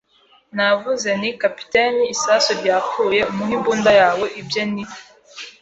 Navuze nti: “Kapiteni, isasu ryapfuye. Umuhe imbunda yawe; ibye ni